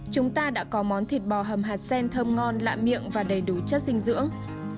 chúng ta đã có món thịt bò hầm hạt sen thơm ngon lạ miệng và đầy đủ chất dinh dưỡng